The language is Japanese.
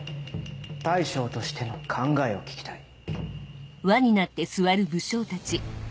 大将としての考えを聞きたい。